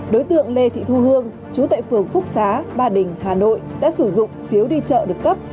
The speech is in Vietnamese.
đối tượng lê thị thu hương chú tại phường phúc xá ba đình hà nội đã sử dụng phiếu đi chợ được cấp